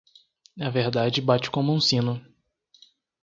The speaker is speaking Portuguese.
A verdade bate como um sino.